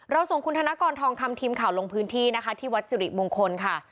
ส่งคุณธนกรทองคำทีมข่าวลงพื้นที่นะคะที่วัดสิริมงคลค่ะ